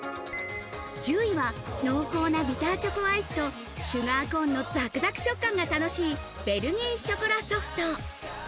１０位は濃厚なビターチョコアイスとシュガーコーンのザクザク食感が楽しいベルギーショコラソフト。